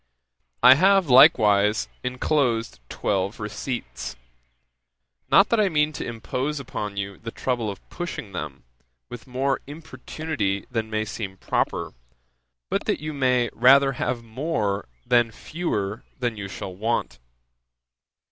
'I have, likewise, enclosed twelve receipts; not that I mean to impose upon you the trouble of pushing them, with more importunity than may seem proper, but that you may rather have more than fewer than you shall want.